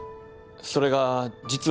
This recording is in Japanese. それが実は